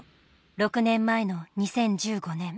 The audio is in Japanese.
６年前の２０１５年。